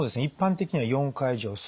一般的には４回以上。